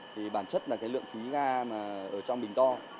thì bản chất là cái lượng khí ga mà ở trong bình to